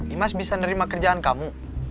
imas bisa nerima kerjaan kamu